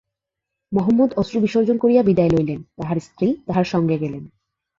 মহম্মদ অশ্রুবিসর্জন করিয়া বিদায় লইলেন, তাঁহার স্ত্রী তাঁহার সঙ্গে গেলেন।